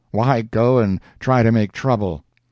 —why go and try to make trouble?